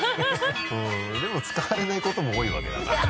でも使われないことも多いわけだからね。